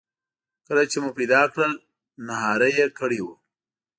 کله چې مو پیدا کړل نهاري یې کړې وه.